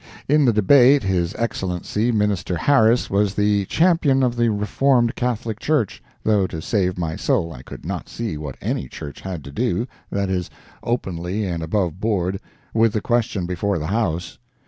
In the debate, his Excellency Minister Harris was the champion of the Reformed Catholic Church (though, to save my soul, I could not see what any Church had to do—that is, openly and aboveboard—with the question before the House).